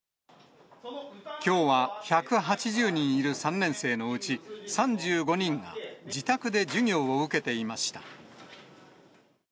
きょうは１８０人いる３年生のうち、３５人が、自宅で授業を受けていました。